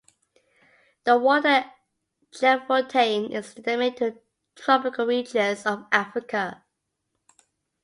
The water chevrotain is endemic to the tropical regions of Africa.